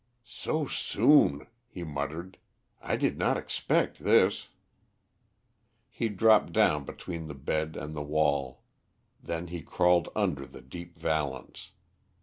"So soon," he muttered. "I did not expect this." He dropped down between the bed and the wall. Then he crawled under the deep valance.